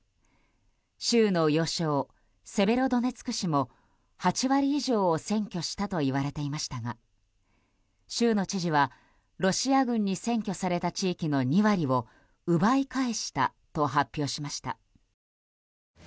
州の要衝、セベロドネツク市も８割以上を占拠したといわれていましたが州の知事は、ロシア軍に占拠された地域の２割を奪い返したと発表しました。